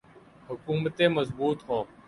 حکومتیں مضبوط ہوں۔